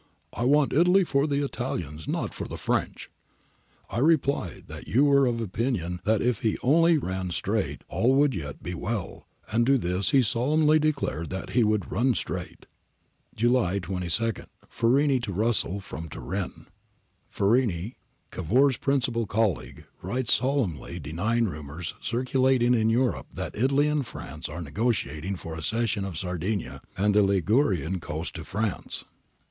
I want Italy for the Italians, not for the French:' I replied, that you were of opinion that if he only ran straight all would yet be well, and to this he solemnly declared that he would run straight! . July 22. Farini to Russell. Prom Turin. Farini, Cavour s principal colleague, writes solemnly deny ing rumours circulating in Europe that Italy and Prance ar. n^otiating for a cession of Sardinia and the Ligunan coast to France.